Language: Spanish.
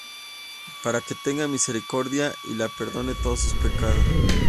Para que tenga misericordia, y le perdone todos sus pecados.